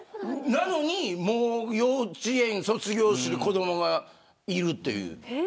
なのに、もう幼稚園卒業する子どもがいるという。